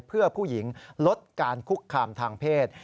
เพื่อผู้หญิงลดการคุกคามทางเพศ